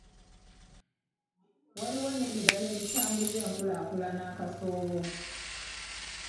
Waliwo n’ebirala ebitambuza enkulaakulana akasoobo.